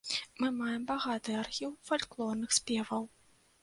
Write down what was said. Мы маем багаты архіў фальклорных спеваў.